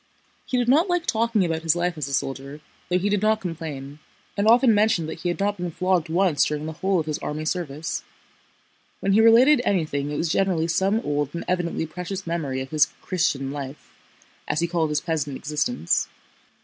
He did not like talking about his life as a soldier, though he did not complain, and often mentioned that he had not been flogged once during the whole of his army service. When he related anything it was generally some old and evidently precious memory of his "Christian" life, as he called his peasant existence.